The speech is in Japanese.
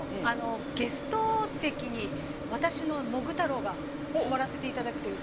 ゲスト席に私のもぐたろうが座らせていただくという。